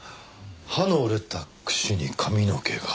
歯の折れたくしに髪の毛が。